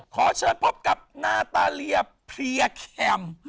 ขอเชิญพบกับนาตาเลียเพลียแคม